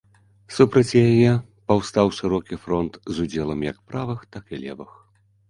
Супраць яе паўстаў шырокі фронт з удзелам як правых, так і левых.